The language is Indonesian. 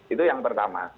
itu yang pertama